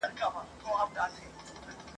نه به دي پاېزېب هره مسرۍ کۍ شرنګېدلی وي !.